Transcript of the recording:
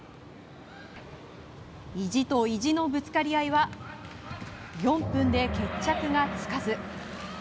意地と意地のぶつかり合いは４分で決着がつかず。